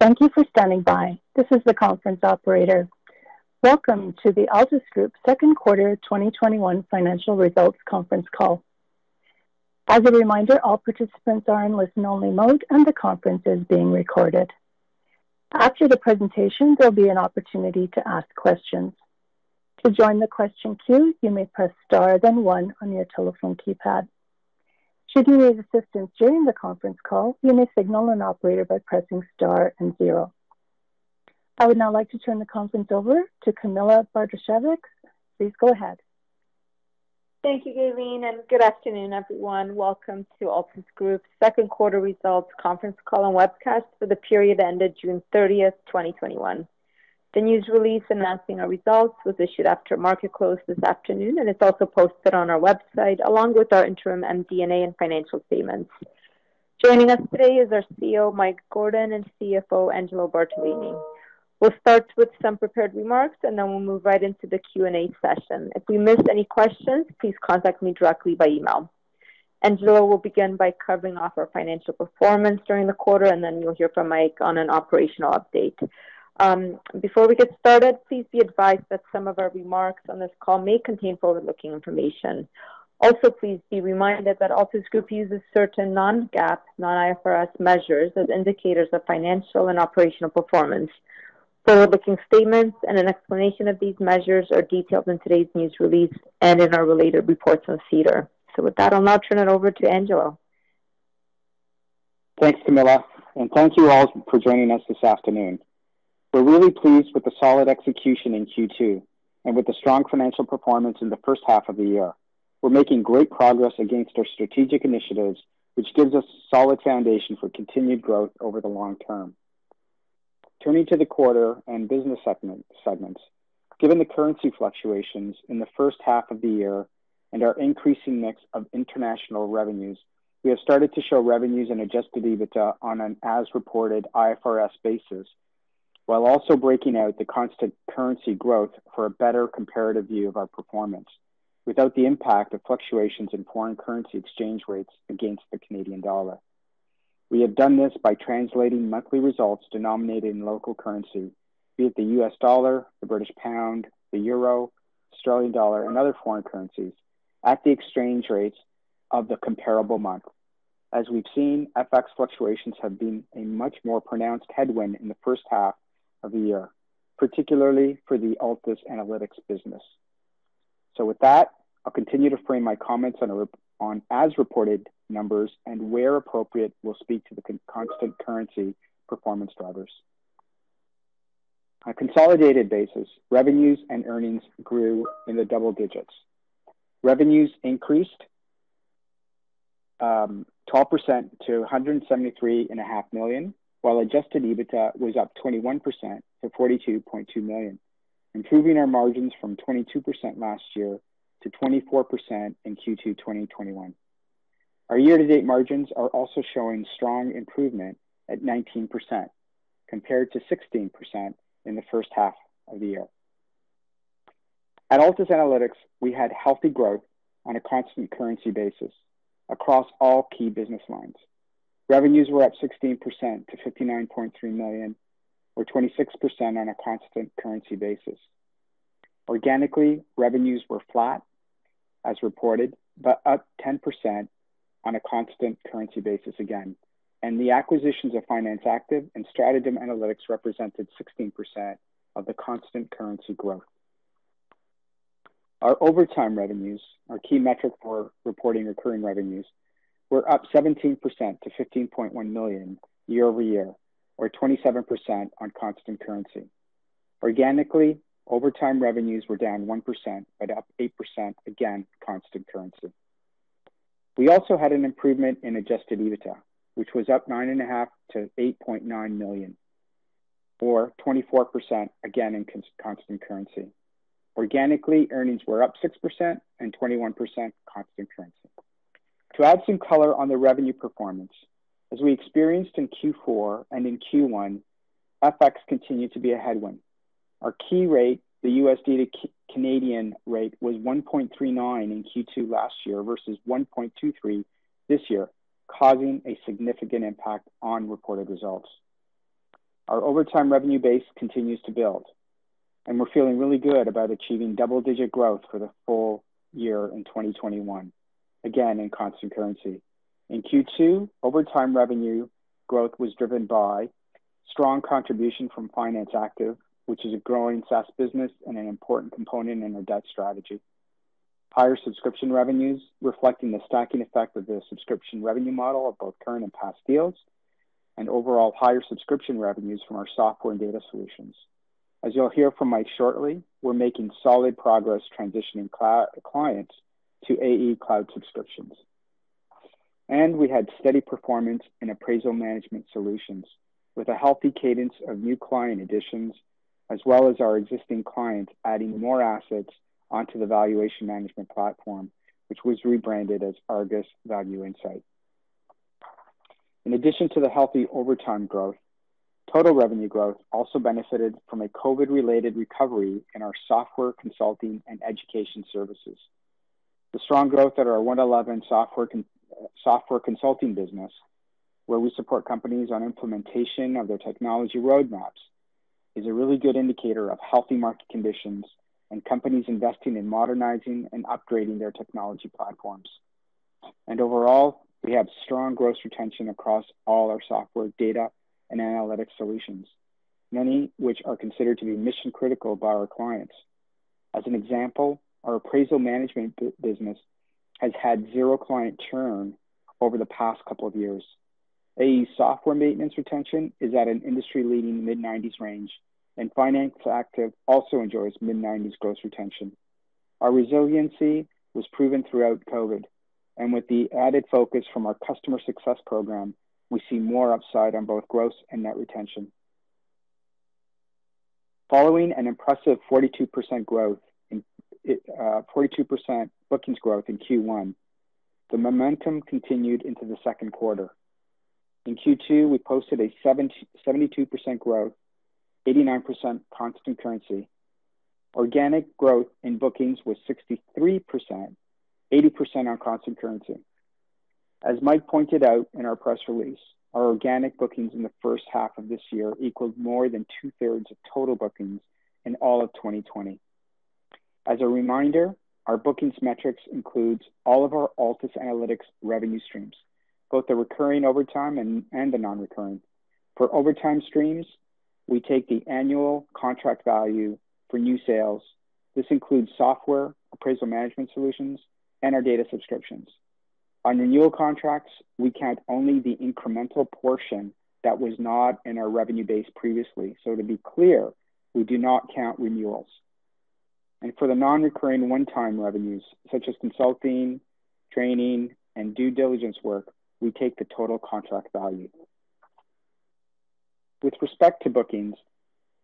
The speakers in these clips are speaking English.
Thank you for standing by. This is the conference operator. Welcome to the Altus Group Second Quarter 2021 Financial Results Conference Call. As a reminder, all participants are in listen-only mode, and the conference is being recorded. After the presentation, there will be an opportunity to ask questions. To join the question queue, you may press star then one on your telephone keypad. Should you need assistance during the conference call, you may signal an operator by pressing star and zero. I would now like to turn the conference over to Camilla Bartosiewicz. Please go ahead. Thank you, Gaylene, and good afternoon, everyone. Welcome to Altus Group's second quarter results conference call and webcast for the period ended June 30th, 2021. The news release announcing our results was issued after market close this afternoon, and it's also posted on our website, along with our interim MD&A and financial statements. Joining us today is our CEO, Mike Gordon, and CFO, Angelo Bartolini. We'll start with some prepared remarks, and then we'll move right into the Q&A session. If we missed any questions, please contact me directly by email. Angelo will begin by covering off our financial performance during the quarter, and then you'll hear from Mike on an operational update. Before we get started, please be advised that some of our remarks on this call may contain forward-looking information. Please be reminded that Altus Group uses certain non-GAAP, non-IFRS measures as indicators of financial and operational performance. Forward-looking statements and an explanation of these measures are detailed in today's news release and in our related reports on SEDAR. With that, I'll now turn it over to Angelo. Thanks, Camilla, and thank you all for joining us this afternoon. We're really pleased with the solid execution in Q2 and with the strong financial performance in the first half of the year. We're making great progress against our strategic initiatives, which gives us a solid foundation for continued growth over the long term. Turning to the quarter and business segments. Given the currency fluctuations in the first half of the year and our increasing mix of international revenues, we have started to show revenues and adjusted EBITDA on an as-reported IFRS basis, while also breaking out the constant currency growth for a better comparative view of our performance without the impact of fluctuations in foreign currency exchange rates against the Canadian dollar. We have done this by translating monthly results denominated in local currency, be it the U.S. dollar, the British pound, the euro, Australian dollar, and other foreign currencies at the exchange rates of the comparable month. As we've seen, FX fluctuations have been a much more pronounced headwind in the first half of the year, particularly for the Altus Analytics business. With that, I'll continue to frame my comments on as-reported numbers and where appropriate, will speak to the constant currency performance drivers. On a consolidated basis, revenues and earnings grew in the double digits. Revenues increased 12% to 173.5 million, while adjusted EBITDA was up 21% to 42.2 million, improving our margins from 22% last year to 24% in Q2 2021. Our year-to-date margins are also showing strong improvement at 19%, compared to 16% in the first half of the year. At Altus Analytics, we had healthy growth on a constant currency basis across all key business lines. Revenues were up 16% to 59.3 million or 26% on a constant currency basis. Organically, revenues were flat as reported, but up 10% on a constant currency basis again, and the acquisitions of Finance Active and StratoDem Analytics represented 16% of the constant currency growth. Our Over Time revenues, our key metric for reporting recurring revenues, were up 17% to 15.1 million year-over-year, or 27% on constant currency. Organically, Over Time revenues were down 1% but up 8% again, constant currency. We also had an improvement in adjusted EBITDA, which was up 9.5 million-8.9 million, or 24% again in constant currency. Organically, earnings were up 6% and 21% constant currency. To add some color on the revenue performance, as we experienced in Q4 and in Q1, FX continued to be a headwind. Our key rate, the USD to CAD rate, was 1.39 in Q2 last year versus 1.23 this year, causing a significant impact on reported results. Our Over Time revenue base continues to build, and we're feeling really good about achieving double-digit growth for the full year in 2021, again, in constant currency. In Q2, Over Time revenue growth was driven by strong contribution from Finance Active, which is a growing SaaS business and an important component in our debt strategy. Higher subscription revenues reflecting the stacking effect of the subscription revenue model of both current and past deals, and overall higher subscription revenues from our software and data solutions. As you'll hear from Mike shortly, we're making solid progress transitioning clients to AE Cloud subscriptions. We had steady performance in appraisal management solutions with a healthy cadence of new client additions, as well as our existing clients adding more assets onto the valuation management platform, which was rebranded as ARGUS ValueInsight. In addition to the healthy Over Time growth, total revenue growth also benefited from a COVID-related recovery in our software consulting and education services. The strong growth at our One11 Advisors software consulting business, where we support companies on implementation of their technology roadmaps, is a really good indicator of healthy market conditions and companies investing in modernizing and upgrading their technology platforms. Overall, we have strong gross retention across all our software data and analytics solutions, many which are considered to be mission-critical by our clients. As an example, our appraisal management business has had zero client churn over the past couple of years. AE software maintenance retention is at an industry-leading mid-90s range, Finance Active also enjoys mid-90s gross retention. Our resiliency was proven throughout COVID, and with the added focus from our customer success program, we see more upside on both gross and net retention. Following an impressive 42% bookings growth in Q1, the momentum continued into the second quarter. In Q2, we posted a 72% growth, 89% constant currency. Organic growth in bookings was 63%, 80% on constant currency. As Mike pointed out in our press release, our organic bookings in the first half of this year equaled more than 2/3 of total bookings in all of 2020. As a reminder, our bookings metrics includes all of our Altus Analytics revenue streams, both the recurring Over Time and the non-recurring. For Over Time streams, we take the annual contract value for new sales. This includes software, appraisal management solutions, and our data subscriptions. On renewal contracts, we count only the incremental portion that was not in our revenue base previously. To be clear, we do not count renewals. For the non-recurring one-time revenues, such as consulting, training, and due diligence work, we take the total contract value. With respect to bookings,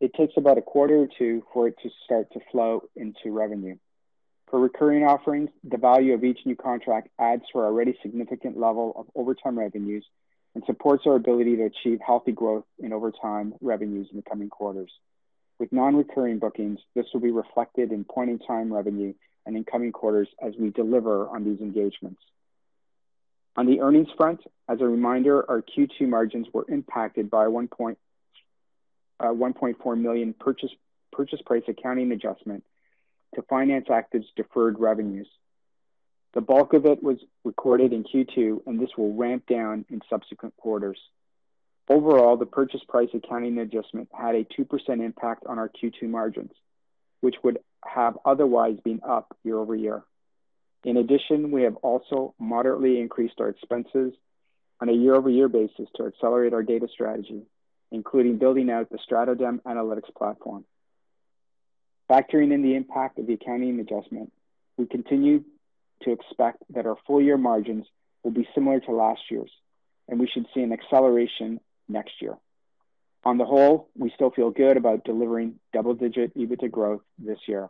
it takes about a quarter or two for it to start to flow into revenue. For recurring offerings, the value of each new contract adds to our already significant level of Over Time revenues and supports our ability to achieve healthy growth in Over Time revenues in the coming quarters. With non-recurring bookings, this will be reflected in point-in-time revenue and in coming quarters as we deliver on these engagements. On the earnings front, as a reminder, our Q2 margins were impacted by a 1.4 million purchase price accounting adjustment to Finance Active's deferred revenues. The bulk of it was recorded in Q2, and this will ramp down in subsequent quarters. Overall, the purchase price accounting adjustment had a 2% impact on our Q2 margins, which would have otherwise been up year-over-year. In addition, we have also moderately increased our expenses on a year-over-year basis to accelerate our data strategy, including building out the StratoDem Analytics platform. Factoring in the impact of the accounting adjustment, we continue to expect that our full-year margins will be similar to last year's, and we should see an acceleration next year. On the whole, we still feel good about delivering double-digit EBITDA growth this year.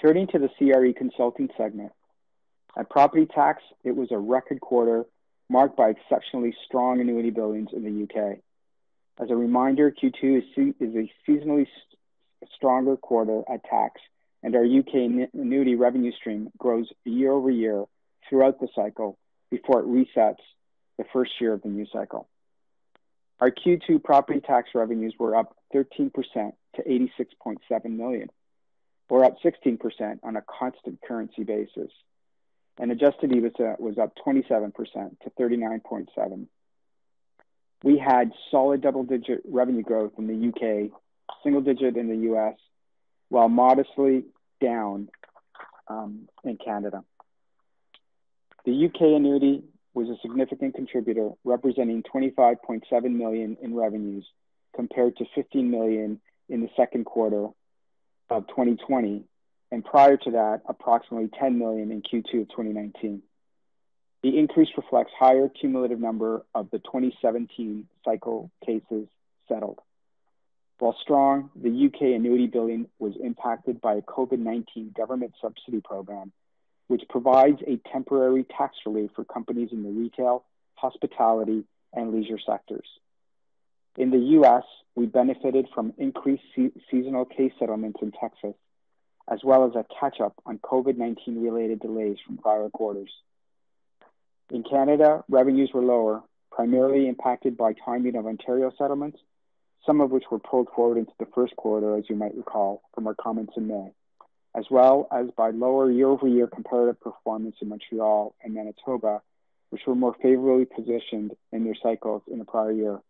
Turning to the CRE Consulting segment. At Property Tax, it was a record quarter marked by exceptionally strong annuity billings in the U.K. As a reminder, Q2 is a seasonally stronger quarter at tax, and our U.K. annuity revenue stream grows year-over-year throughout the cycle before it resets the first year of the new cycle. Our Q2 Property Tax revenues were up 13% to 86.7 million. We're up 16% on a constant currency basis, and adjusted EBITDA was up 27% to 39.7 million. We had solid double-digit revenue growth in the U.K., single digit in the U.S., while modestly down in Canada. The U.K. annuity was a significant contributor, representing 25.7 million in revenues compared to 15 million in the second quarter of 2020, and prior to that, approximately 10 million in Q2 of 2019. The increase reflects higher cumulative number of the 2017 cycle cases settled. While strong, the U.K. annuity billing was impacted by a COVID-19 government subsidy program, which provides a temporary tax relief for companies in the retail, hospitality, and leisure sectors. In the U.S., we benefited from increased seasonal case settlements in Texas, as well as a catch-up on COVID-19 related delays from prior quarters. In Canada, revenues were lower, primarily impacted by timing of Ontario settlements, some of which were pulled forward into the first quarter, as you might recall from our comments in May, as well as by lower year-over-year comparative performance in Montreal and Manitoba, which were more favorably positioned in their cycles in the prior year,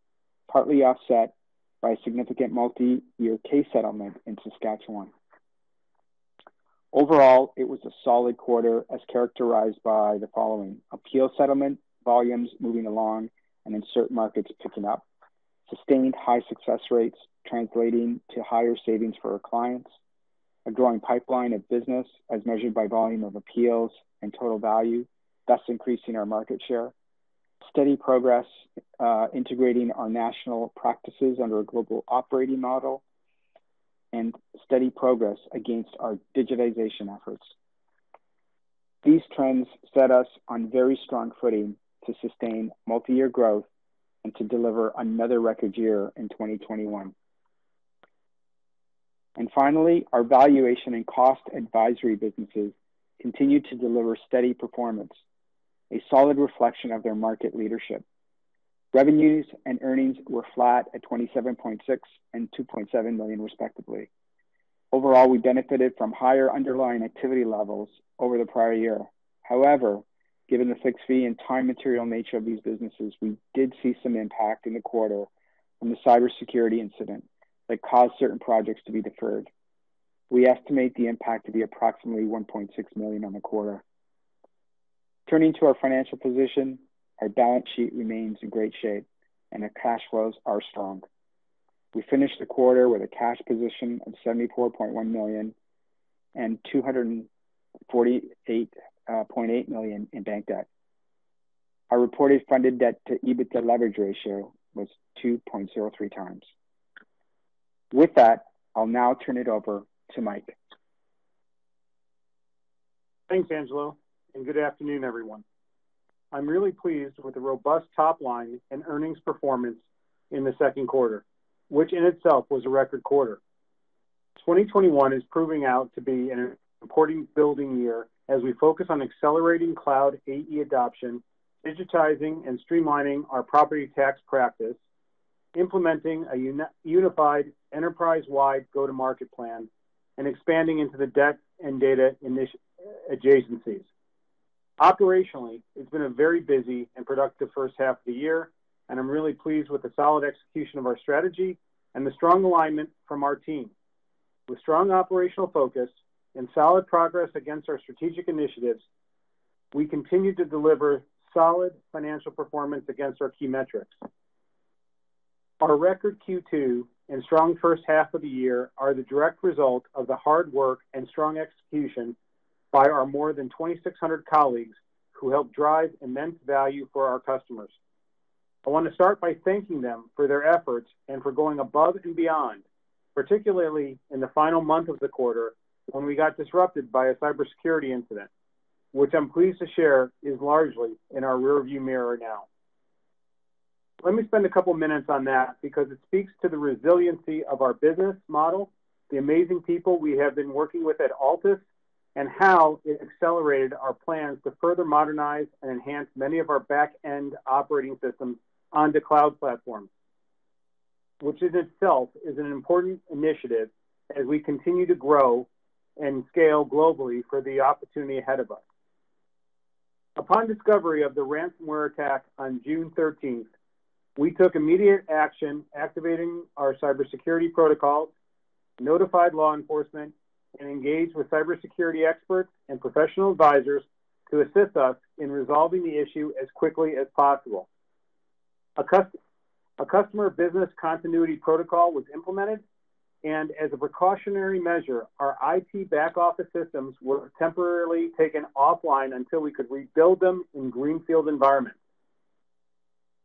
partly offset by a significant multi-year case settlement in Saskatchewan. Overall, it was a solid quarter as characterized by the following: appeal settlement volumes moving along and in certain markets picking up, sustained high success rates translating to higher savings for our clients, a growing pipeline of business as measured by volume of appeals and total value, thus increasing our market share, steady progress integrating our national practices under a global operating model, and steady progress against our digitization efforts. These trends set us on very strong footing to sustain multi-year growth and to deliver another record year in 2021. Finally, our valuation and cost advisory businesses continued to deliver steady performance, a solid reflection of their market leadership. Revenues and earnings were flat at 27.6 million and 2.7 million respectively. Overall, we benefited from higher underlying activity levels over the prior year. However, given the fixed fee and time material nature of these businesses, we did see some impact in the quarter from the cybersecurity incident that caused certain projects to be deferred. We estimate the impact to be approximately 1.6 million on the quarter. Turning to our financial position, our balance sheet remains in great shape and our cash flows are strong. We finished the quarter with a cash position of 74.1 million and 248.8 million in bank debt. Our reported funded debt-to-EBITDA leverage ratio was 2.03x. With that, I'll now turn it over to Mike. Thanks, Angelo, and good afternoon, everyone. I'm really pleased with the robust top line and earnings performance in the second quarter, which in itself was a record quarter. 2021 is proving out to be an important building year as we focus on accelerating cloud AE adoption, digitizing and streamlining our Property Tax practice, implementing a unified enterprise-wide go-to-market plan, and expanding into the debt and data adjacencies. Operationally, it's been a very busy and productive first half of the year, and I'm really pleased with the solid execution of our strategy and the strong alignment from our team. With strong operational focus and solid progress against our strategic initiatives, we continue to deliver solid financial performance against our key metrics. Our record Q2 and strong first half of the year are the direct result of the hard work and strong execution by our more than 2,600 colleagues who help drive immense value for our customers. I want to start by thanking them for their efforts and for going above and beyond, particularly in the final month of the quarter when we got disrupted by a cybersecurity incident, which I'm pleased to share is largely in our rear view mirror now. Let me spend a couple of minutes on that because it speaks to the resiliency of our business model, the amazing people we have been working with at Altus, and how it accelerated our plans to further modernize and enhance many of our back-end operating systems onto cloud platforms, which in itself is an important initiative as we continue to grow and scale globally for the opportunity ahead of us. Upon discovery of the ransomware attack on June 13th, we took immediate action activating our cybersecurity protocols, notified law enforcement, and engaged with cybersecurity experts and professional advisors to assist us in resolving the issue as quickly as possible. A customer business continuity protocol was implemented and as a precautionary measure, our IT back office systems were temporarily taken offline until we could rebuild them in greenfield environments.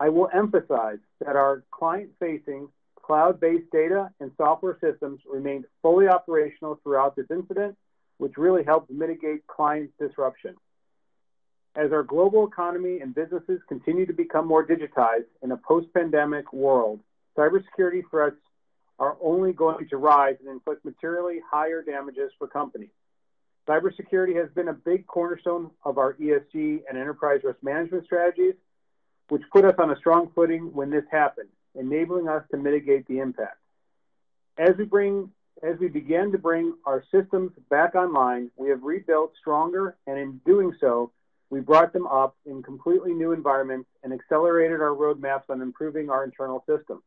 I will emphasize that our client-facing cloud-based data and software systems remained fully operational throughout this incident, which really helped mitigate client disruption. As our global economy and businesses continue to become more digitized in a post-pandemic world, cybersecurity threats are only going to rise and inflict materially higher damages for companies. Cybersecurity has been a big cornerstone of our ESG and enterprise risk management strategies, which put us on a strong footing when this happened, enabling us to mitigate the impact. As we begin to bring our systems back online, we have rebuilt stronger, and in doing so, we brought them up in completely new environments and accelerated our roadmaps on improving our internal systems.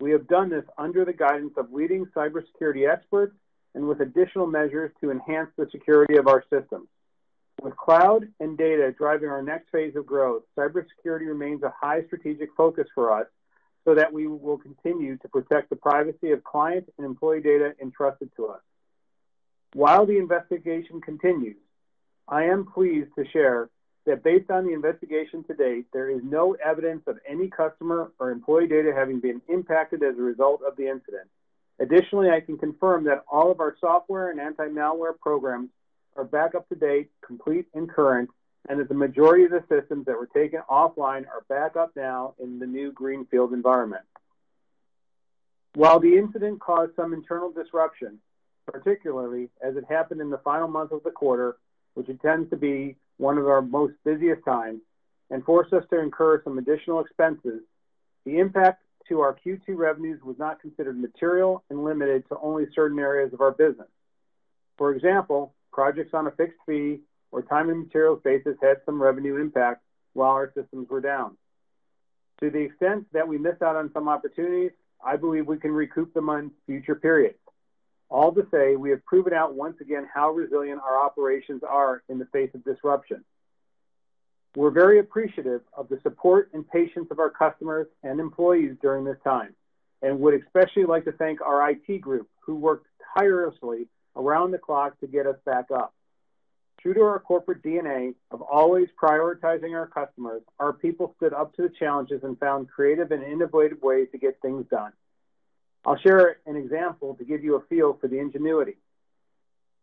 We have done this under the guidance of leading cybersecurity experts and with additional measures to enhance the security of our systems. With cloud and data driving our next phase of growth, cybersecurity remains a high strategic focus for us so that we will continue to protect the privacy of clients and employee data entrusted to us. While the investigation continues, I am pleased to share that based on the investigation to date, there is no evidence of any customer or employee data having been impacted as a result of the incident. Additionally, I can confirm that all of our software and anti-malware programs are back up to date, complete, and current, and that the majority of the systems that were taken offline are back up now in the new greenfield environment. While the incident caused some internal disruption, particularly as it happened in the final month of the quarter, which it tends to be one of our most busiest times, and forced us to incur some additional expenses, the impact to our Q2 revenues was not considered material and limited to only certain areas of our business. For example, projects on a fixed fee or time and materials basis had some revenue impact while our systems were down. To the extent that we missed out on some opportunities, I believe we can recoup them on future periods. All to say, we have proven out once again how resilient our operations are in the face of disruption. We're very appreciative of the support and patience of our customers and employees during this time and would especially like to thank our IT group who worked tirelessly around the clock to get us back up. True to our corporate DNA of always prioritizing our customers, our people stood up to the challenges and found creative and innovative ways to get things done. I'll share an example to give you a feel for the ingenuity.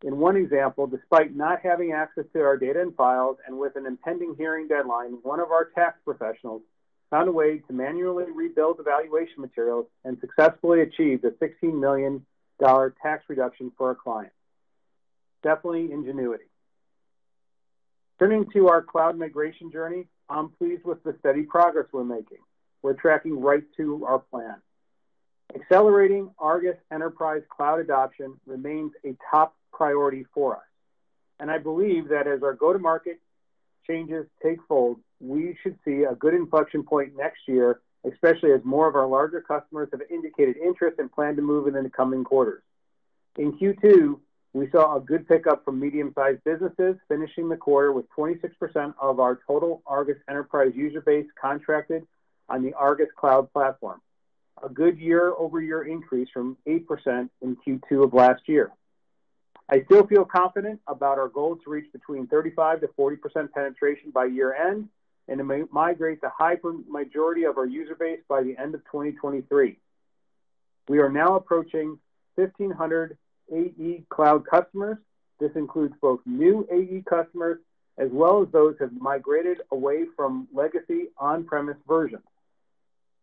In one example, despite not having access to our data and files, and with an impending hearing deadline, one of our Property Tax professionals found a way to manually rebuild the valuation materials and successfully achieve the 16 million dollar tax reduction for our client. Definitely ingenuity. Turning to our cloud migration journey, I'm pleased with the steady progress we're making. We're tracking right to our plan. Accelerating ARGUS Enterprise cloud adoption remains a top priority for us. I believe that as our go-to-market changes take hold, we should see a good inflection point next year, especially as more of our larger customers have indicated interest and plan to move in the coming quarters. In Q2, we saw a good pickup from medium-sized businesses finishing the quarter with 26% of our total ARGUS Enterprise user base contracted on the ARGUS Cloud platform. A good year-over-year increase from 8% in Q2 of last year. I still feel confident about our goal to reach between 35%-40% penetration by year-end, and to migrate the high majority of our user base by the end of 2023. We are now approaching 1,500 AE Cloud customers. This includes both new AE customers, as well as those who have migrated away from legacy on-premise versions.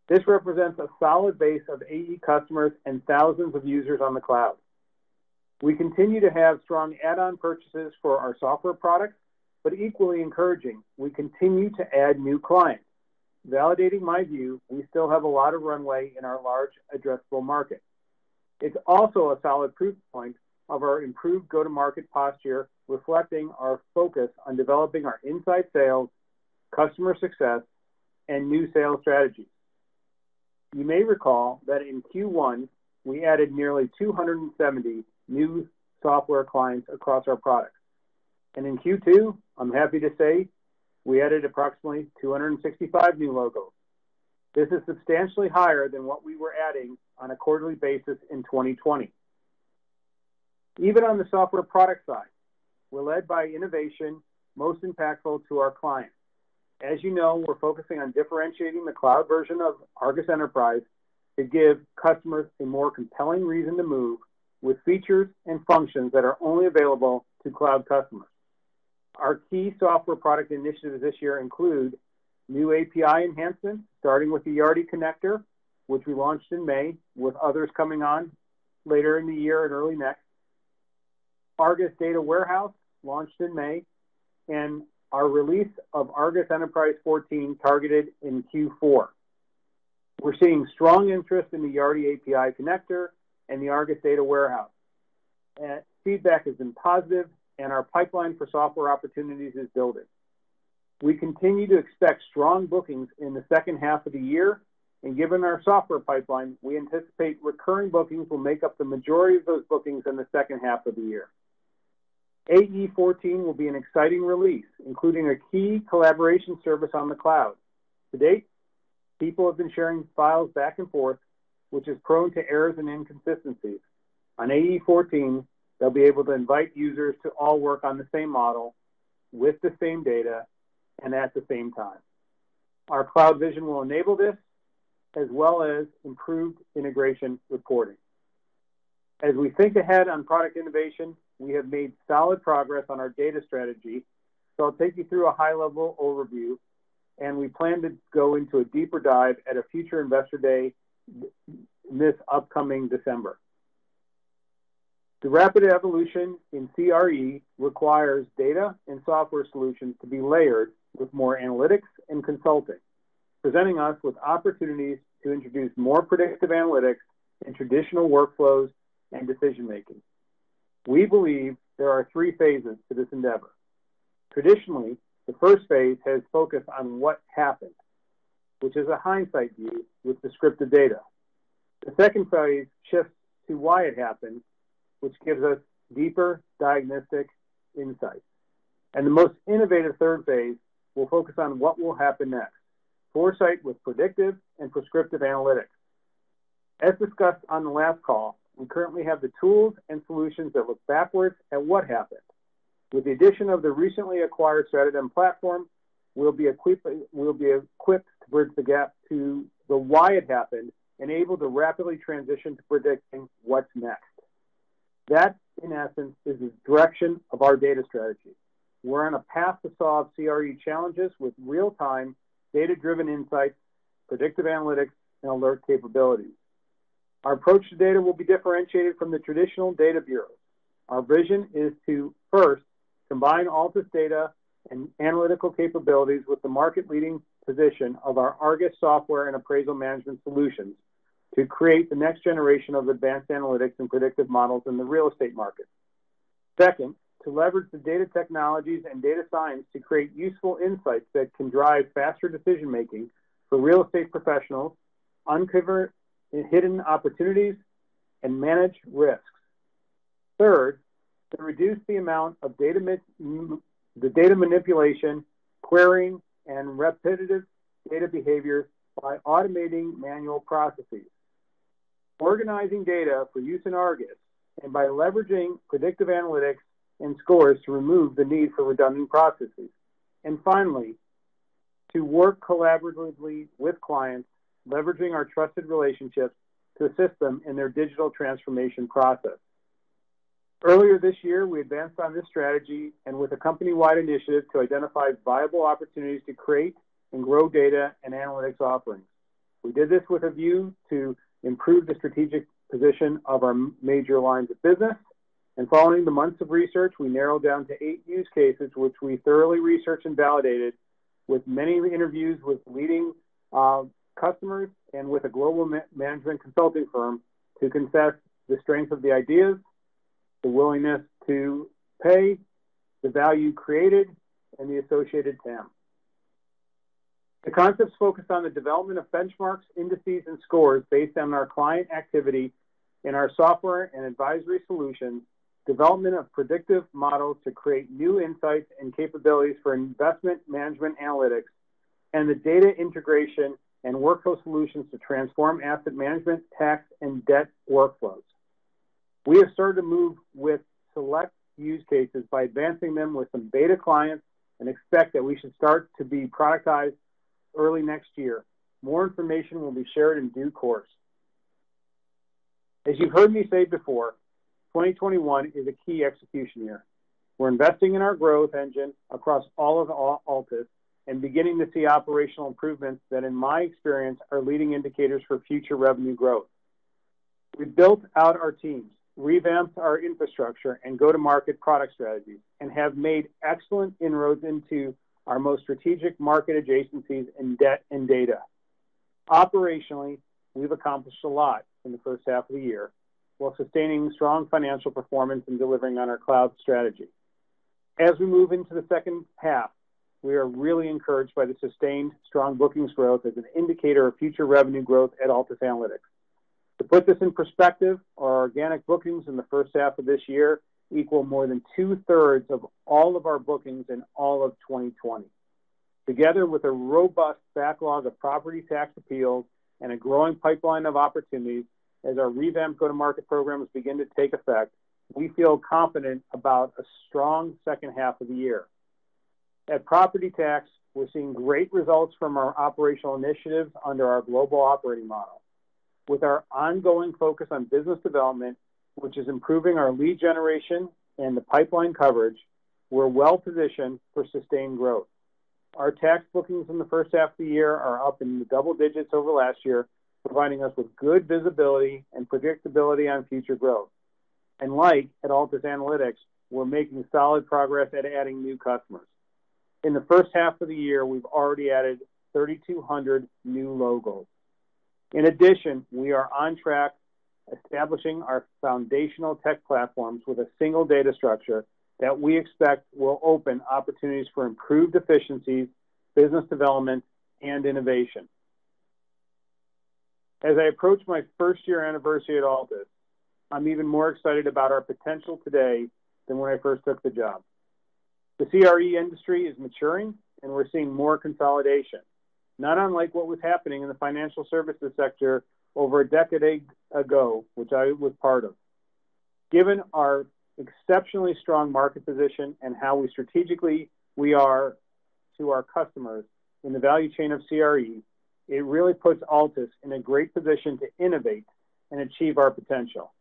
This represents a solid base of AE customers and thousands of users on the cloud. We continue to have strong add-on purchases for our software products. Equally encouraging, we continue to add new clients. Validating my view, we still have a lot of runway in our large addressable market. It's also a solid proof point of our improved go-to-market posture, reflecting our focus on developing our inside sales, customer success, and new sales strategies. You may recall that in Q1, we added nearly 270 new software clients across our products. In Q2, I'm happy to say we added approximately 265 new logos. This is substantially higher than what we were adding on a quarterly basis in 2020. Even on the software product side, we're led by innovation most impactful to our clients. As you know, we're focusing on differentiating the cloud version of ARGUS Enterprise to give customers a more compelling reason to move with features and functions that are only available to cloud customers. Our key software product initiatives this year include new API enhancements, starting with the Yardi Connector, which we launched in May, with others coming on later in the year and early next. ARGUS Cloud Warehouse launched in May, and our release of ARGUS Enterprise 14 targeted in Q4. We're seeing strong interest in the Yardi API connector and the ARGUS data warehouse. Feedback has been positive and our pipeline for software opportunities is building. We continue to expect strong bookings in the second half of the year, and given our software pipeline, we anticipate recurring bookings will make up the majority of those bookings in the second half of the year. AE 14 will be an exciting release, including a key collaboration service on the cloud. To date, people have been sharing files back and forth, which is prone to errors and inconsistencies. On AE 14, they'll be able to invite users to all work on the same model with the same data and at the same time. Our cloud vision will enable this, as well as improved integration reporting. I'll take you through a high-level overview, and we plan to go into a deeper dive at a future Investor Day this upcoming December. The rapid evolution in CRE requires data and software solutions to be layered with more analytics and consulting, presenting us with opportunities to introduce more predictive analytics in traditional workflows and decision-making. We believe there are three phases to this endeavor. Traditionally, the first phase has focused on what happened, which is a hindsight view with descriptive data. The second phase shifts to why it happened, which gives us deeper diagnostic insights. The most innovative third phase will focus on what will happen next. Foresight with predictive and prescriptive analytics. As discussed on the last call, we currently have the tools and solutions that look backwards at what happened. With the addition of the recently acquired StratoDem platform, we'll be equipped to bridge the gap to the why it happened and able to rapidly transition to predicting what's next. That, in essence, is the direction of our data strategy. We're on a path to solve CRE challenges with real-time, data-driven insights, predictive analytics, and alert capabilities. Our approach to data will be differentiated from the traditional data bureau. Our vision is to, first, combine Altus' data and analytical capabilities with the market-leading position of our ARGUS software and appraisal management solutions to create the next generation of advanced analytics and predictive models in the real estate market. Second, to leverage the data technologies and data science to create useful insights that can drive faster decision-making for real estate professionals, uncover hidden opportunities, and manage risks. Third, to reduce the amount of the data manipulation, querying, and repetitive data behavior by automating manual processes. Organizing data for use in ARGUS, by leveraging predictive analytics and scores to remove the need for redundant processes. Finally, to work collaboratively with clients, leveraging our trusted relationships to assist them in their digital transformation process. Earlier this year, we advanced on this strategy and with a company-wide initiative to identify viable opportunities to create and grow data and analytics offerings. We did this with a view to improve the strategic position of our major lines of business. Following the months of research, we narrowed down to eight use cases, which we thoroughly researched and validated with many interviews with leading customers and with a global management consulting firm to assess the strength of the ideas, the willingness to pay, the value created, and the associated TAM. The concepts focused on the development of benchmarks, indices, and scores based on our client activity in our software and advisory solutions, development of predictive models to create new insights and capabilities for investment management analytics, and the data integration and workflow solutions to transform asset management, Property Tax, and debt workflows. We have started to move with select use cases by advancing them with some beta clients and expect that we should start to be productized early next year. More information will be shared in due course. As you've heard me say before, 2021 is a key execution year. We're investing in our growth engine across all of Altus and beginning to see operational improvements that, in my experience, are leading indicators for future revenue growth. We've built out our teams, revamped our infrastructure and go-to-market product strategies, and have made excellent inroads into our most strategic market adjacencies in debt and data. Operationally, we've accomplished a lot in the first half of the year while sustaining strong financial performance and delivering on our cloud strategy. As we move into the second half, we are really encouraged by the sustained strong bookings growth as an indicator of future revenue growth at Altus Analytics. To put this in perspective, our organic bookings in the first half of this year equal more than 2/3 of all of our bookings in all of 2020. Together with a robust backlog of Property Tax appeals and a growing pipeline of opportunities as our revamped go-to-market programs begin to take effect, we feel confident about a strong second half of the year. At Property Tax, we're seeing great results from our operational initiatives under our global operating model. With our ongoing focus on business development, which is improving our lead generation and the pipeline coverage, we're well-positioned for sustained growth. Our tax bookings in the first half of the year are up in the double digits over last year, providing us with good visibility and predictability on future growth. Like at Altus Analytics, we're making solid progress at adding new customers. In the first half of the year, we've already added 3,200 new logos. In addition, we are on track establishing our foundational tech platforms with a single data structure that we expect will open opportunities for improved efficiencies, business development, and innovation. As I approach my first-year anniversary at Altus, I'm even more excited about our potential today than when I first took the job. The CRE industry is maturing, and we're seeing more consolidation, not unlike what was happening in the financial services sector over a decade ago, which I was part of. Given our exceptionally strong market position and how strategically we are to our customers in the value chain of CRE, it really puts Altus in a great position to innovate and achieve our potential.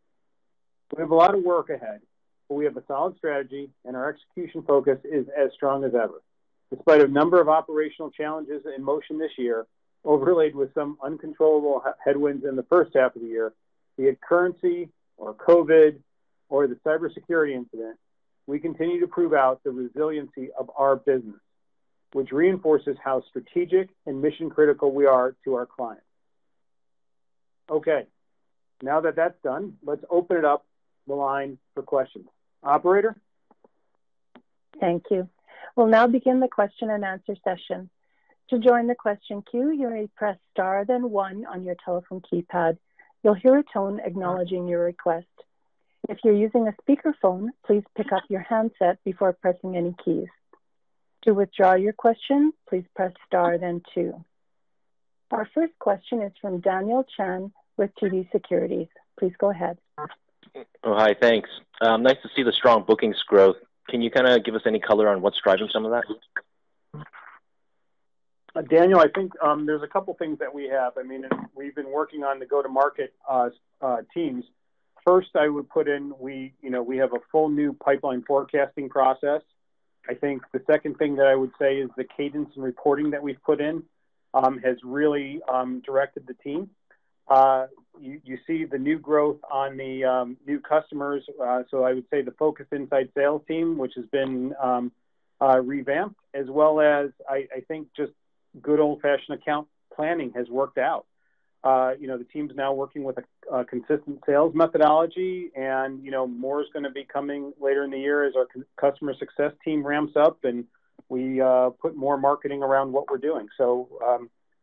We have a lot of work ahead, but we have a solid strategy, and our execution focus is as strong as ever. Despite a number of operational challenges in motion this year, overlaid with some uncontrollable headwinds in the first half of the year, be it currency or COVID or the cybersecurity incident, we continue to prove out the resiliency of our business, which reinforces how strategic and mission-critical we are to our clients. Okay, now that that's done, let's open it up the line for questions. Operator? Thank you. We'll now begin the question-and-answer session. To join the question queue you may press star then one on your telephone keypad. You'll hear a tone acknowledging your request. If you're using a speakerphone please pick up your handset before pressing any keys. To withdraw your question please press star then two. Our first question is from Daniel Chan with TD Securities. Please go ahead. Hi, thanks. Nice to see the strong bookings growth. Can you kind of give us any color on what's driving some of that? Daniel, I think there's a couple things that we have. We've been working on the go-to-market teams. First, I would put in we have a full new pipeline forecasting process. I think the second thing that I would say is the cadence in reporting that we've put in has really directed the team. You see the new growth on the new customers. I would say the focused inside sales team, which has been revamped, as well as, I think, just good old-fashioned account planning has worked out. The team's now working with a consistent sales methodology, and more is going to be coming later in the year as our customer success team ramps up and we put more marketing around what we're doing.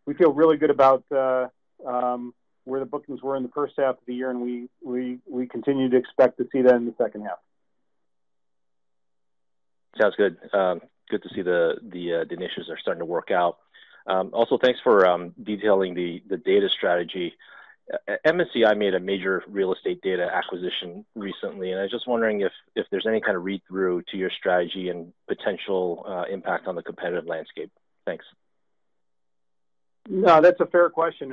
We feel really good about where the bookings were in the first half of the year, and we continue to expect to see that in the second half. Sounds good. Good to see the initiatives are starting to work out. Also, thanks for detailing the data strategy. MSCI made a major real estate data acquisition recently, I was just wondering if there's any kind of read-through to your strategy and potential impact on the competitive landscape. Thanks. No, that's a fair question.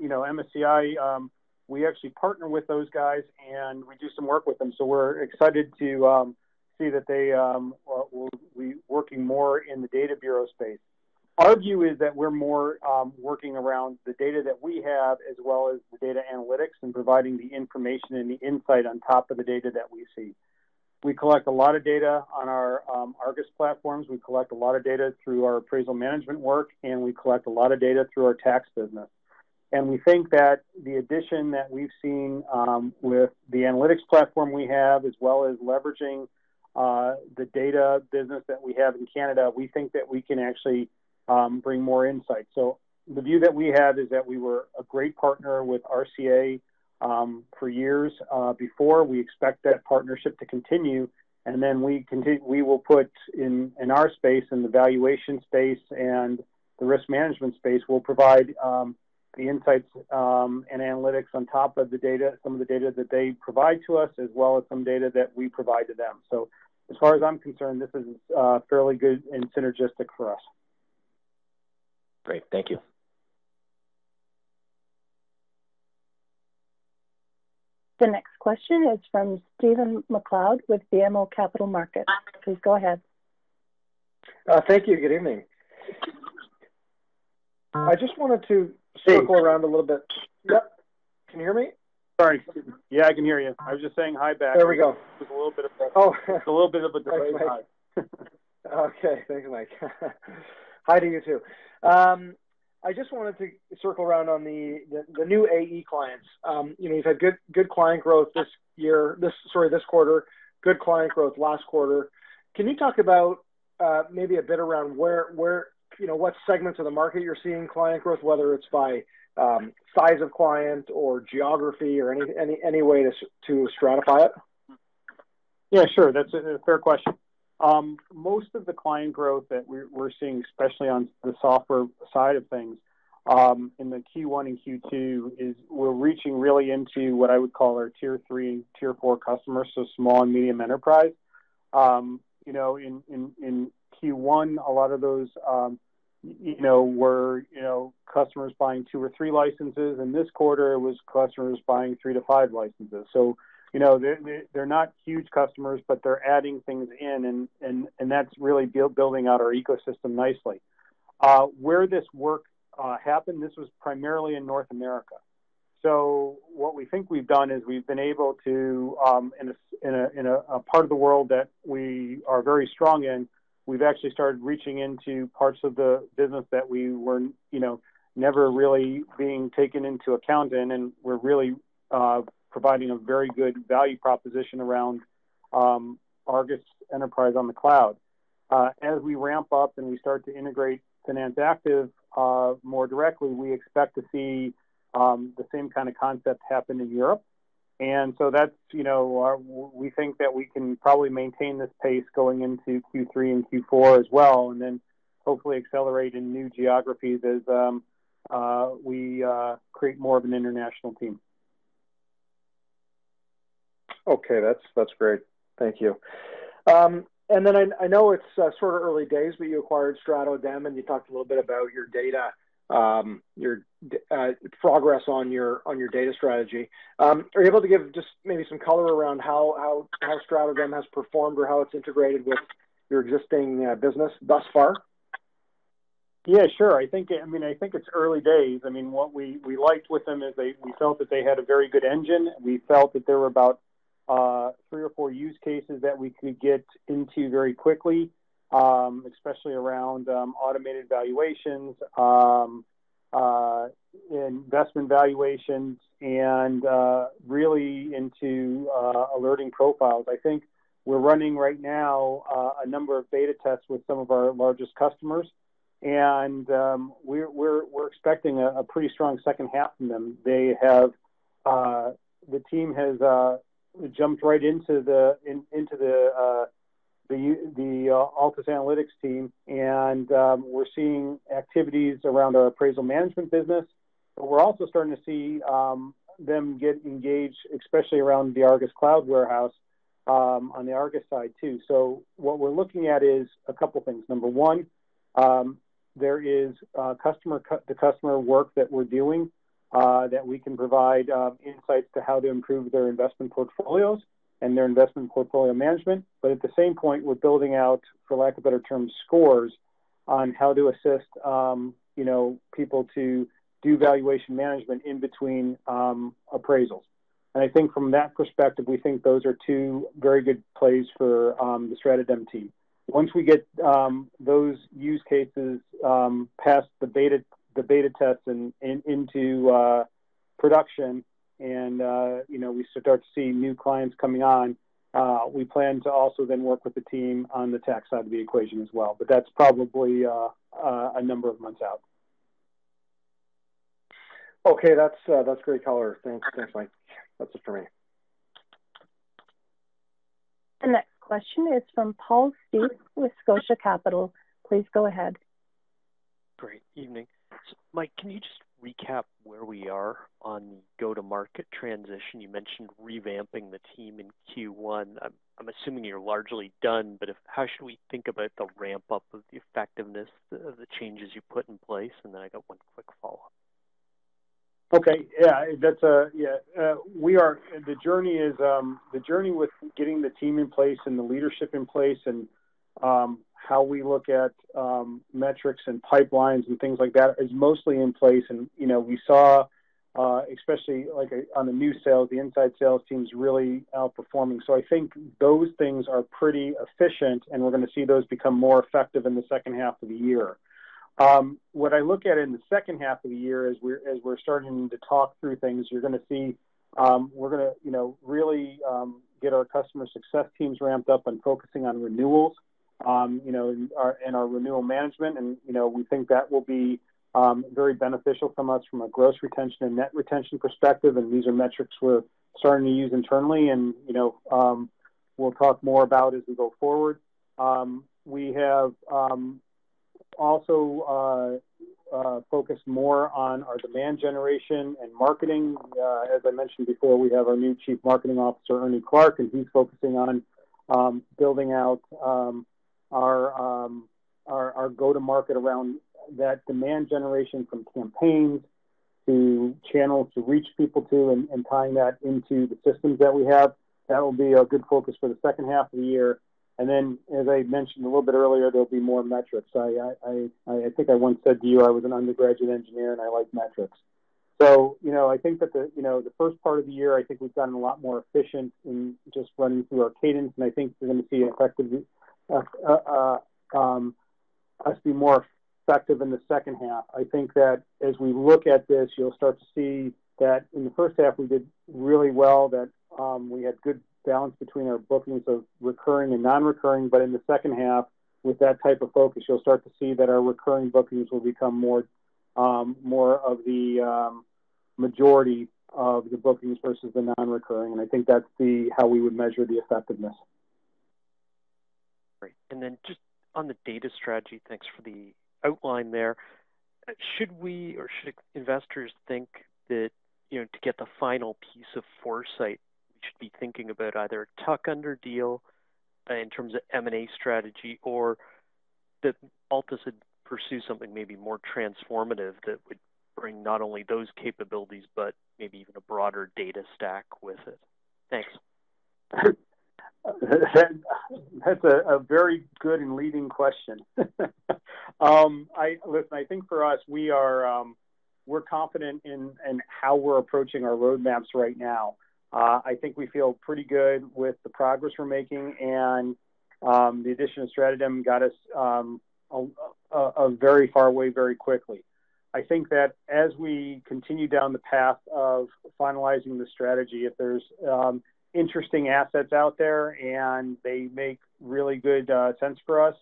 MSCI, we actually partner with those guys, and we do some work with them. We're excited to see that they will be working more in the data bureau space. Our view is that we're more working around the data that we have, as well as the data analytics, and providing the information and the insight on top of the data that we see. We collect a lot of data on our ARGUS platforms. We collect a lot of data through our appraisal management work, and we collect a lot of data through our tax business. We think that the addition that we've seen with the analytics platform we have, as well as leveraging the data business that we have in Canada, we think that we can actually bring more insight. The view that we had is that we were a great partner with RCA for years before. We expect that partnership to continue, and then we will put in our space, in the valuation space and the risk management space, we'll provide the insights and analytics on top of the data, some of the data that they provide to us, as well as some data that we provide to them. As far as I'm concerned, this is fairly good and synergistic for us. Great. Thank you. The next question is from Stephen MacLeod with BMO Capital Markets. Please go ahead. Thank you. Good evening. I just wanted to- Steve. circle around a little bit. Yes. Can you hear me? Sorry. Yeah, I can hear you. I was just saying hi back. There we go. There was a little bit of a- Oh. A little bit of a delayed vibe. Okay. Thanks, Mike. Hi to you too. I just wanted to circle around on the new AE clients. You've had good client growth this quarter, good client growth last quarter. Can you talk about maybe a bit around what segments of the market you're seeing client growth, whether it's by size of client or geography or any way to stratify it? Yeah, sure. That's a fair question. Most of the client growth that we're seeing, especially on the software side of things, in the Q1 and Q2, is we're reaching really into what I would call our Tier 3, Tier 4 customers, so small and medium enterprise. In Q1, a lot of those were customers buying two or three licenses. In this quarter, it was customers buying three to five licenses. They're not huge customers, but they're adding things in, and that's really building out our ecosystem nicely. Where this work happened, this was primarily in North America. What we think we've done is we've been able to, in a part of the world that we are very strong in, we've actually started reaching into parts of the business that were never really being taken into account. We're really providing a very good value proposition around ARGUS Enterprise on the cloud. As we ramp up and we start to integrate Finance Active more directly, we expect to see the same kind of concepts happen in Europe. We think that we can probably maintain this pace going into Q3 and Q4 as well, and then hopefully accelerate in new geographies as we create more of an international team. Okay. That's great. Thank you. I know it's sort of early days, but you acquired StratoDem, and you talked a little bit about your data, your progress on your data strategy. Are you able to give just maybe some color around how StratoDem has performed or how it's integrated with your existing business thus far? Yeah, sure. I think it's early days. What we liked with them is we felt that they had a very good engine. We felt that there were about three or four use cases that we could get into very quickly, especially around automated valuations, investment valuations, and really into alerting profiles. I think we're running right now a number of beta tests with some of our largest customers. We're expecting a pretty strong second half from them. The team has jumped right into the Altus Analytics team, and we're seeing activities around our appraisal management business. We're also starting to see them get engaged, especially around the ARGUS Cloud Warehouse, on the ARGUS side too. What we're looking at is a couple things. Number one, there is the customer work that we're doing that we can provide insights to how to improve their investment portfolios and their investment portfolio management. At the same point, we're building out, for lack of better terms, scores on how to assist people to do valuation management in between appraisals. I think from that perspective, we think those are two very good plays for the StratoDem team. Once we get those use cases past the beta tests and into production, and we start seeing new clients coming on, we plan to also then work with the team on the tech side of the equation as well. That's probably a number of months out. Okay. That's great color. Thanks, Mike. That's it for me. The next question is from Paul Steep with Scotia Capital. Please go ahead. Great evening. Mike, can you just recap where we are on the go-to-market transition? You mentioned revamping the team in Q1. I'm assuming you're largely done, but how should we think about the ramp-up of the effectiveness of the changes you put in place? I got one quick follow-up. Okay. Yeah. The journey with getting the team in place and the leadership in place, and how we look at metrics and pipelines and things like that is mostly in place. We saw, especially on the new sales, the inside sales team's really outperforming. I think those things are pretty efficient, and we're going to see those become more effective in the second half of the year. What I look at in the second half of the year, as we're starting to talk through things, we're going to really get our customer success teams ramped up on focusing on renewals, and our renewal management. We think that will be very beneficial for us from a gross retention and net retention perspective. These are metrics we're starting to use internally and we'll talk more about as we go forward. We have also focused more on our demand generation and marketing. As I mentioned before, we have our new Chief Marketing Officer, Ernest Clark, and he's focusing on building out our go-to-market around that demand generation from campaigns to channels to reach people and tying that into the systems that we have. That'll be a good focus for the second half of the year. As I mentioned a little bit earlier, there'll be more metrics. I think I once said to you I was an undergraduate engineer, and I like metrics. I think that the first part of the year, I think we've gotten a lot more efficient in just running through our cadence, and I think you're going to see us be more effective in the second half. I think that as we look at this, you'll start to see that in the first half we did really well, that we had good balance between our bookings of recurring and non-recurring, but in the second half, with that type of focus, you'll start to see that our recurring bookings will become more of the majority of the bookings versus the non-recurring. I think that's how we would measure the effectiveness. Great. Just on the data strategy, thanks for the outline there. Should we or should investors think that to get the final piece of foresight, we should be thinking about either a tuck-under deal in terms of M&A strategy, or that Altus should pursue something maybe more transformative that would bring not only those capabilities, but maybe even a broader data stack with it? Thanks. That's a very good and leading question. Listen, I think for us, we're confident in how we're approaching our roadmaps right now. I think we feel pretty good with the progress we're making, and the addition of StratoDem got us a very far way very quickly. I think that as we continue down the path of finalizing the strategy, if there's interesting assets out there and they make really good sense for us,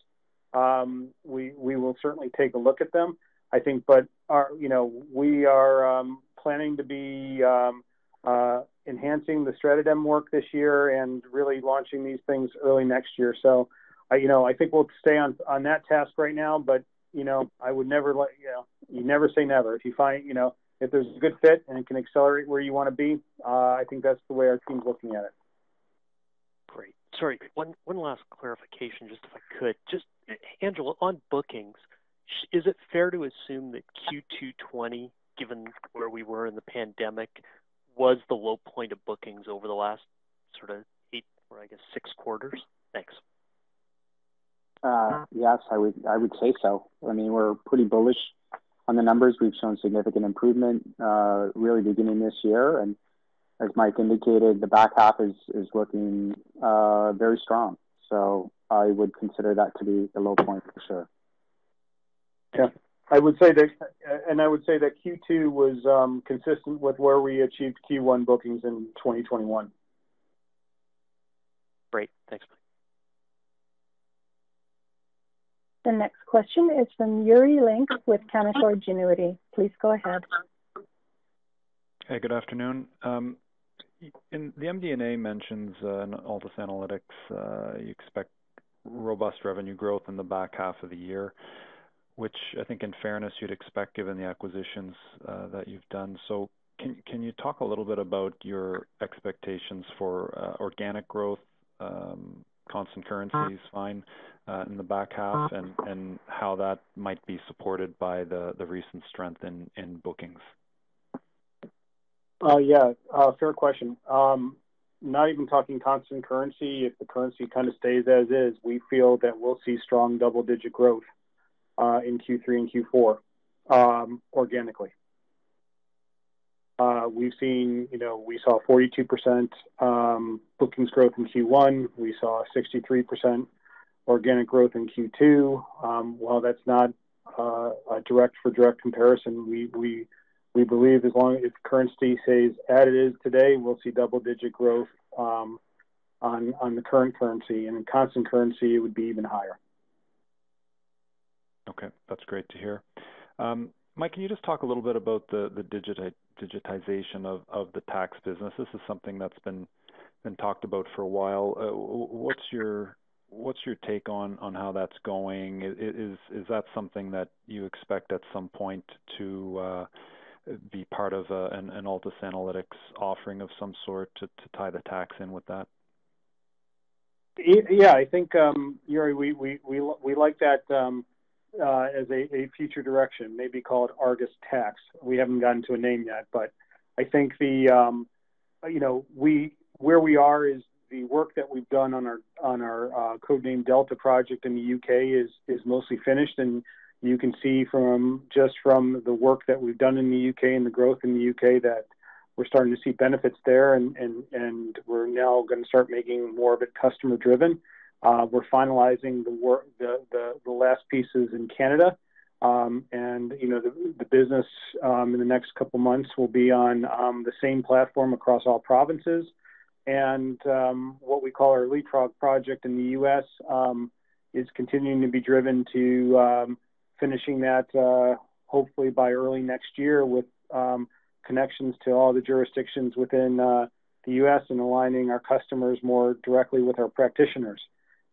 we will certainly take a look at them. We are planning to be enhancing the StratoDem work this year and really launching these things early next year. I think we'll stay on that task right now. You never say never. If there's a good fit and it can accelerate where you want to be, I think that's the way our team's looking at it. Great. Sorry, one last clarification, just if I could. Just, Angelo, on bookings, is it fair to assume that Q2 2020, given where we were in the pandemic, was the low point of bookings over the last sort of eight or, I guess, six quarters? Thanks. Yes, I would say so. We're pretty bullish on the numbers. We've shown significant improvement really beginning this year. As Mike indicated, the back half is looking very strong. I would consider that to be the low point for sure. Yeah. I would say that Q2 was consistent with where we achieved Q1 bookings in 2021. Great. Thanks, Mike. The next question is from Yuri Lynk with Canaccord Genuity. Please go ahead. Hey, good afternoon. In the MD&A mentions on Altus Analytics, you expect robust revenue growth in the back half of the year, which I think in fairness you'd expect given the acquisitions that you've done. Can you talk a little bit about your expectations for organic growth, constant currency is fine, in the back half, and how that might be supported by the recent strength in bookings? Yeah. Fair question. Not even talking constant currency, if the currency kind of stays as is, we feel that we'll see strong double-digit growth in Q3 and Q4 organically. We saw 42% bookings growth in Q1. We saw 63% organic growth in Q2. While that's not a direct for direct comparison, we believe as long as currency stays as it is today, we'll see double-digit growth on the current currency. In constant currency, it would be even higher. Okay. That's great to hear. Mike, can you just talk a little bit about the digitization of the tax business? This is something that's been talked about for a while. What's your take on how that's going? Is that something that you expect at some point to be part of an Altus Analytics offering of some sort to tie the tax in with that? Yeah, I think, Yuri, we like that as a future direction, maybe call it ARGUS Tax. We haven't gotten to a name yet. I think where we are is the work that we've done on our codename Delta project in the U.K. is mostly finished. You can see just from the work that we've done in the U.K. and the growth in the U.K., that we're starting to see benefits there, and we're now going to start making more of it customer-driven. We're finalizing the last pieces in Canada. The business, in the next couple of months, will be on the same platform across all provinces. What we call our Leapfrog project in the U.S., is continuing to be driven to finishing that, hopefully by early next year, with connections to all the jurisdictions within the U.S. and aligning our customers more directly with our practitioners.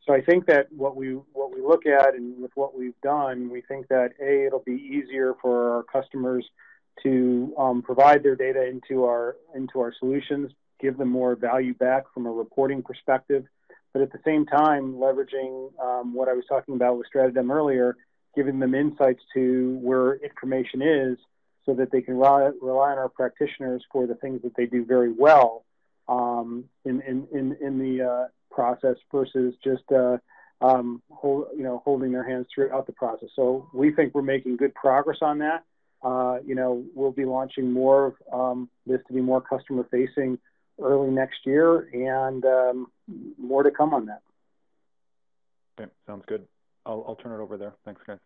I think that what we look at, and with what we've done, we think that, A, it'll be easier for our customers to provide their data into our solutions, give them more value back from a reporting perspective. At the same time, leveraging what I was talking about with StratoDem earlier, giving them insights to where information is so that they can rely on our practitioners for the things that they do very well in the process, versus just holding their hands throughout the process. We think we're making good progress on that. We'll be launching more of this to be more customer facing early next year, and more to come on that. Okay, sounds good. I'll turn it over there. Thanks, guys.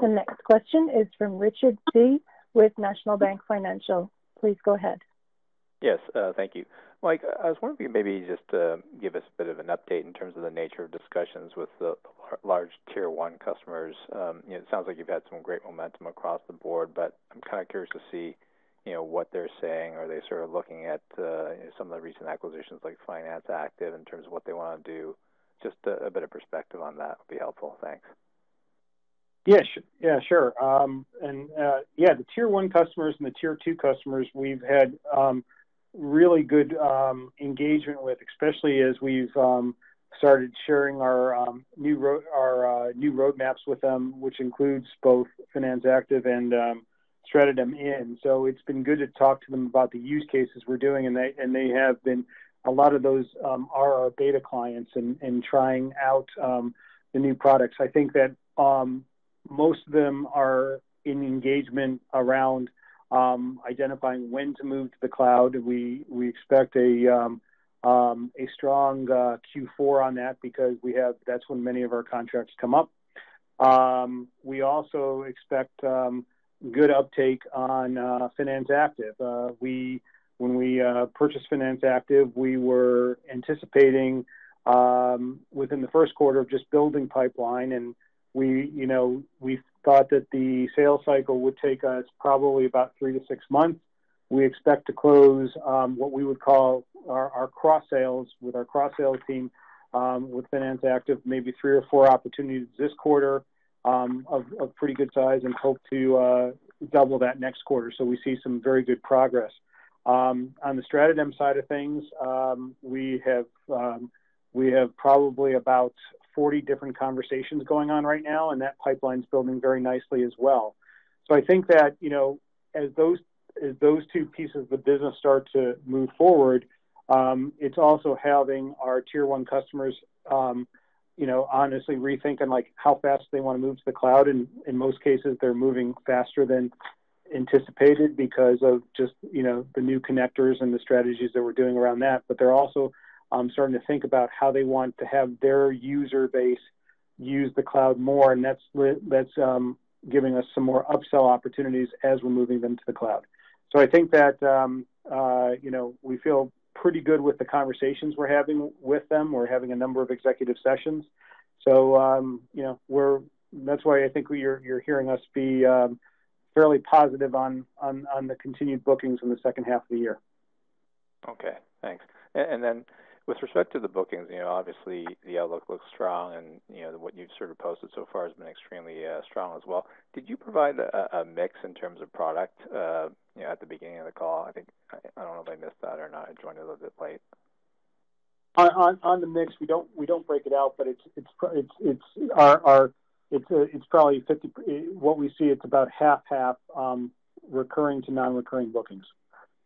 The next question is from Richard Tse with National Bank Financial. Please go ahead. Yes. Thank you. Mike, I was wondering if you maybe just give us a bit of an update in terms of the nature of discussions with the large Tier 1 customers. It sounds like you've had some great momentum across the board, but I'm kind of curious to see what they're saying. Are they sort of looking at some of the recent acquisitions, like Finance Active, in terms of what they want to do? Just a bit of perspective on that would be helpful. Thanks. Yeah. Sure. The Tier 1 customers and the Tier 2 customers we've had really good engagement with, especially as we've started sharing our new roadmaps with them, which includes both Finance Active and StratoDem in. It's been good to talk to them about the use cases we're doing, and a lot of those are our beta clients and trying out the new products. I think that most of them are in engagement around identifying when to move to the cloud. We expect a strong Q4 on that because that's when many of our contracts come up. We also expect good uptake on Finance Active. When we purchased Finance Active, we were anticipating, within the first quarter, of just building pipeline, and we thought that the sales cycle would take us probably about three to six months. We expect to close what we would call our cross-sales with our cross-sales team with Finance Active, maybe three or four opportunities this quarter of pretty good size, and hope to double that next quarter. We see some very good progress. On the StratoDem side of things, we have probably about 40 different conversations going on right now, and that pipeline's building very nicely as well. I think that as those two pieces of the business start to move forward, it's also having our Tier 1 customers honestly rethinking how fast they want to move to the cloud. In most cases, they're moving faster than anticipated because of just the new connectors and the strategies that we're doing around that. They're also starting to think about how they want to have their user base use the cloud more, and that's giving us some more upsell opportunities as we're moving them to the cloud. I think that we feel pretty good with the conversations we're having with them. We're having a number of executive sessions. That's why I think you're hearing us be fairly positive on the continued bookings in the second half of the year. Okay, thanks. With respect to the bookings, obviously the outlook looks strong and what you've posted so far has been extremely strong as well. Could you provide a mix in terms of product at the beginning of the call? I don't know if I missed that or not. I joined a little bit late. On the mix, we don't break it out, but it's probably What we see, it's about half recurring to non-recurring bookings.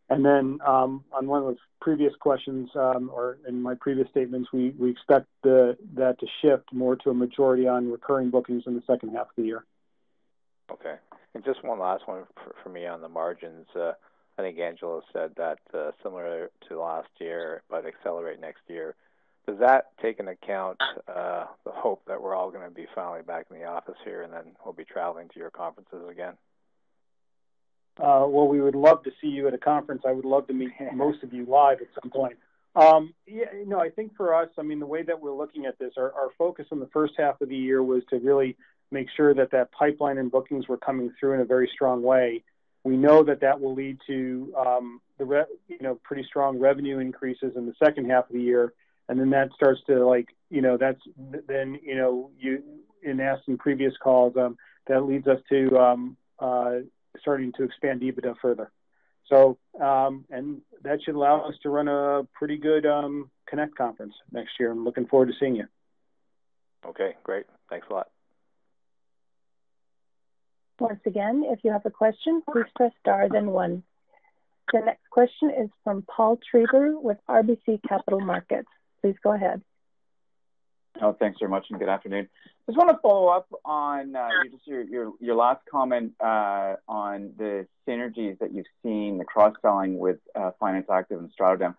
Then, on one of those previous questions, or in my previous statements, we expect that to shift more to a majority on recurring bookings in the second half of the year. Okay. Just one last one for me on the margins. I think Angelo said that similar to last year, but accelerate next year. Does that take into account the hope that we're all going to be finally back in the office here, and then we'll be traveling to your conferences again? We would love to see you at a conference. I would love to meet most of you live at some point. I think for us, the way that we're looking at this, our focus on the first half of the year was to really make sure that that pipeline and bookings were coming through in a very strong way. We know that that will lead to pretty strong revenue increases in the second half of the year. That starts to, you've asked in previous calls, that leads us to starting to expand EBITDA further. That should allow us to run a pretty good Connect conference next year. I'm looking forward to seeing you. Okay, great. Thanks a lot. Once again if you have a question, please press star then one. The next question is from Paul Treiber with RBC Capital Markets. Please go ahead. Thanks very much, and good afternoon. Want to follow up on just your last comment on the synergies that you've seen, the cross-selling with Finance Active and StratoDem.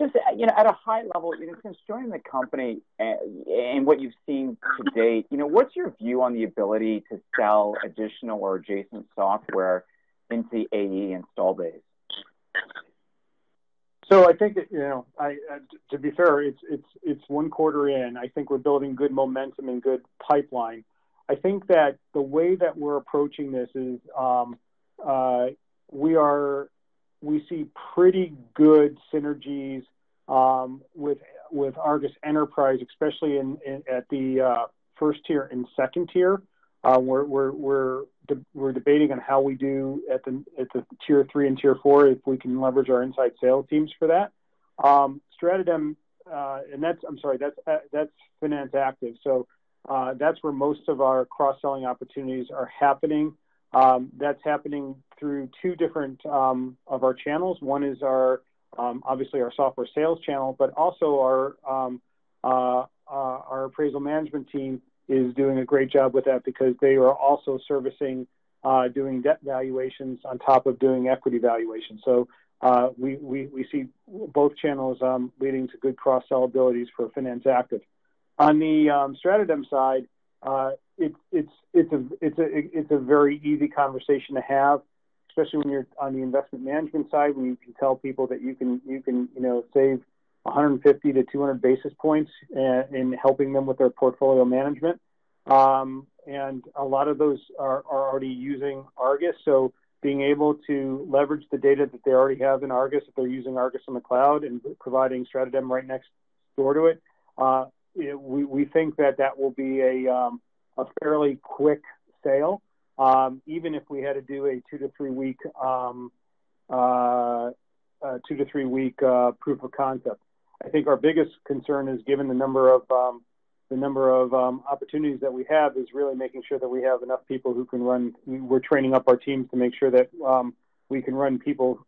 At a high level, since joining the company and what you've seen to date, what's your view on the ability to sell additional or adjacent software into the AE install base? I think to be fair, it's one quarter in. I think we're building good momentum and good pipeline. I think that the way that we're approaching this is we see pretty good synergies with ARGUS Enterprise, especially at the first tier and second tier. We're debating on how we do at the Tier 3 and Tier 4, if we can leverage our inside sales teams for that. That's Finance Active. That's where most of our cross-selling opportunities are happening. That's happening through two different of our channels. One is obviously our software sales channel, but also our appraisal management team is doing a great job with that because they are also servicing, doing debt valuations on top of doing equity valuations. We see both channels leading to good cross-sell abilities for Finance Active. On the StratoDem side, it's a very easy conversation to have, especially when you're on the investment management side, when you can tell people that you can save 150-200 basis points in helping them with their portfolio management. A lot of those are already using ARGUS. Being able to leverage the data that they already have in ARGUS, if they're using ARGUS Cloud and providing StratoDem right next door to it, we think that that will be a fairly quick sale, even if we had to do a two to three week proof of concept. I think our biggest concern is given the number of opportunities that we have, is really making sure that we have enough people who can run. We're training up our teams to make sure that we can run people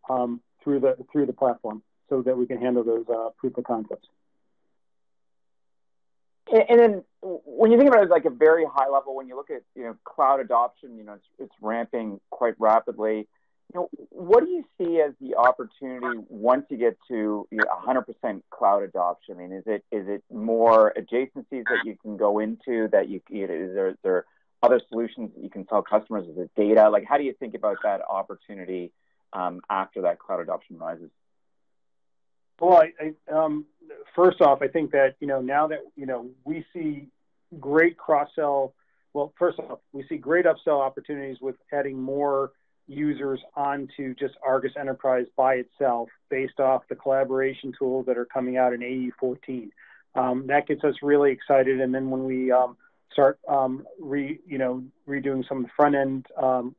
through the platform so that we can handle those proof of concepts. When you think about it as like a very high level, when you look at cloud adoption, it's ramping quite rapidly. What do you see as the opportunity once you get to 100% cloud adoption? I mean, is it more adjacencies that you can go into? Is there other solutions that you can sell customers? Is it data? How do you think about that opportunity after that cloud adoption rises? First off, we see great upsell opportunities with adding more users onto just ARGUS Enterprise by itself based off the collaboration tools that are coming out in AE 14. That gets us really excited, and then when we start redoing some frontend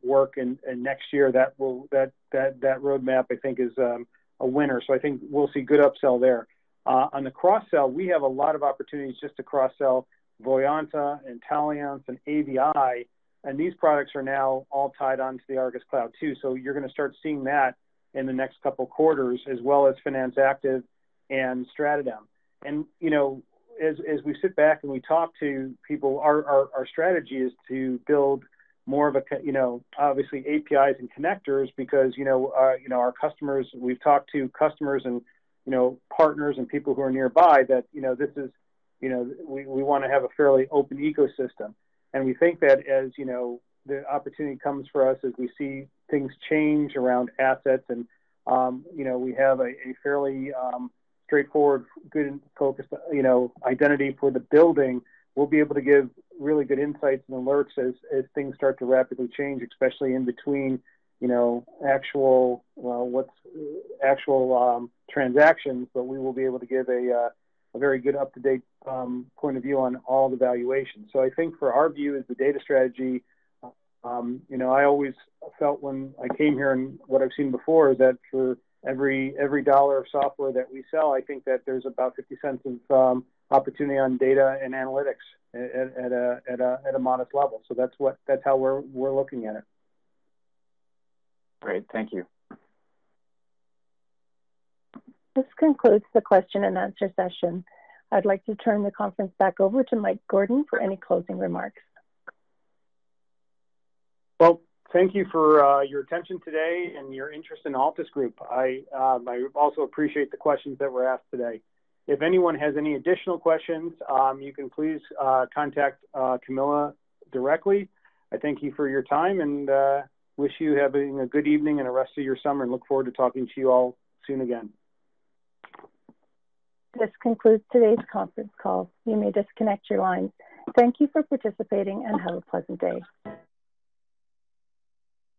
work in next year, that roadmap I think is a winner. I think we'll see good upsell there. On the cross-sell, we have a lot of opportunities just to cross-sell Voyanta, Taliance, and AVI, and these products are now all tied onto the ARGUS Cloud too. You're going to start seeing that in the next couple quarters as well as Finance Active and StratoDem. As we sit back and we talk to people, our strategy is to build more of, obviously APIs and connectors because we've talked to customers and partners and people who are nearby that we want to have a fairly open ecosystem. We think that as the opportunity comes for us, as we see things change around assets, and we have a fairly straightforward, good, focused identity for the building, we'll be able to give really good insights and alerts as things start to rapidly change, especially in between actual transactions, but we will be able to give a very good up-to-date point of view on all the valuations. I think for our view as the data strategy, I always felt when I came here and what I've seen before is that for every CAD 1 of software that we sell, I think that there's about 0.50 of opportunity on data and analytics at a modest level. That's how we're looking at it. Great. Thank you. This concludes the question-and-answer session. I'd like to turn the conference back over to Mike Gordon for any closing remarks. Thank you for your attention today and your interest in Altus Group. I also appreciate the questions that were asked today. If anyone has any additional questions, you can please contact Camilla directly. I thank you for your time, and wish you have a good evening and a rest of your summer, and look forward to talking to you all soon again. This concludes today's conference call. You may disconnect your lines. Thank you for participating, and have a pleasant day.